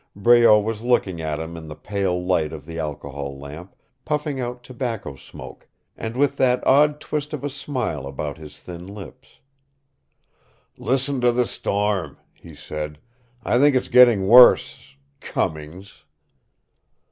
Breault was looking at him in the pale light of the alcohol lamp, puffing out tobacco smoke, and with that odd twist of a smile about his thin lips. "Listen to the storm," he said. "I think it's getting worse Cummings!"